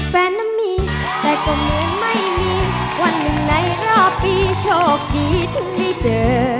แฟนนั้นมีแต่ก็เหมือนไม่มีวันหนึ่งในรอบปีโชคดีถึงได้เจอ